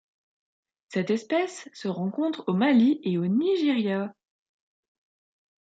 Cette espèce se rencontre au Mali et au Nigeria.